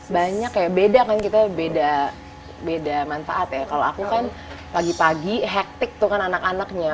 banyak ya beda kan kita beda beda manfaat ya kalau aku kan pagi pagi hektik tuh kan anak anaknya